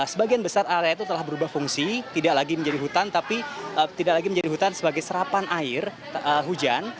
sebagian besar area itu telah berubah fungsi tidak lagi menjadi hutan tapi tidak lagi menjadi hutan sebagai serapan air hujan